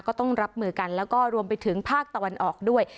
ก็ต้องรับมือกันแล้วก็รวมไปถึงภาคตะวันออกด้วย